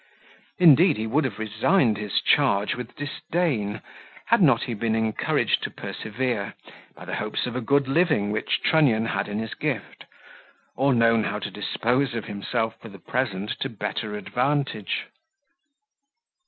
Indeed, he would have resigned his charge with disdain, had not he been encouraged to persevere, by the hopes of a good living which Trunnion had in his gift, or known how to dispose of himself for the present to better advantage.